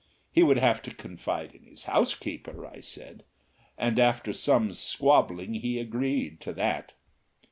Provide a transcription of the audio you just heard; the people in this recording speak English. He would have to confide in his housekeeper, I said; and after some squabbling he agreed to that.